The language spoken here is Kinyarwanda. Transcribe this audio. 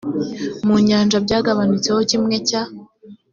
mu nyanja byagabanutseho kimwe cya